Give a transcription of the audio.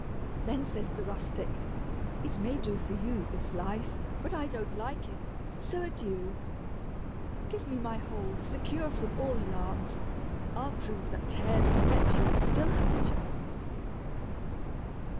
Then says the rustic: "It may do for you, This life, but I don't like it; so adieu: Give me my hole, secure from all alarms, I'll prove that tares and vetches still have charms."